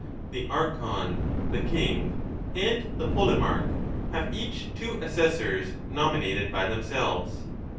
The Archon, the King, and the Polemarch have each two assessors, nominated by them selves.